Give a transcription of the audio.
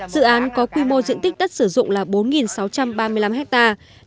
dự án có quy mô diện tích đất sử dụng là bốn sáu trăm ba mươi năm hectare